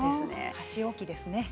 箸置きですね。